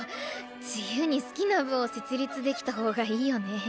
自由に好きな部を設立できた方がいいよね？